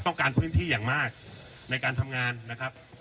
การพื้นที่อย่างมากในการทำงานนะครับ